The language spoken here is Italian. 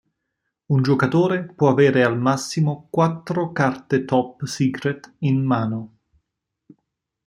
Un giocatore può avere al massimo quattro carte top secret in mano.